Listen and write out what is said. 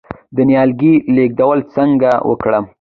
د نیالګي لیږدول څنګه وکړم؟